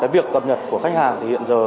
việc cập nhật của khách hàng thì hiện giờ